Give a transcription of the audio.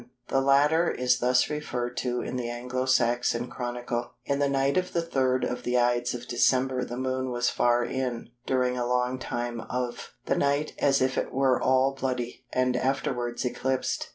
The latter is thus referred to in the Anglo Saxon Chronicle:—"In the night of the 3rd of the Ides of December the Moon was far in [during a long time of] the night as if it were all bloody, and afterwards eclipsed."